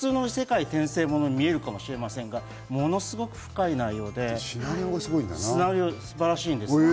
普通の異世界転生者に見えるかもしれませんが、ものすごく深い内容で、内容、素晴らしいんですよ。